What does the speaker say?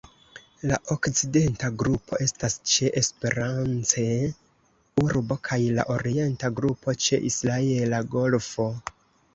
La okcidenta grupo estas ĉe Esperance-Urbo kaj la orienta grupo ĉe Israela Golfo.